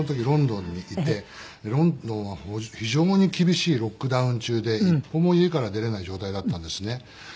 ロンドンは非常に厳しいロックダウン中で一歩も家から出れない状態だったんですね。